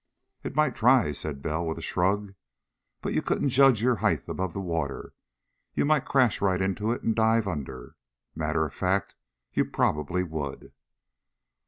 "It might try," said Bell with a shrug. "But you couldn't judge your height above the water. You might crash right into it and dive under. Matter of fact, you probably would."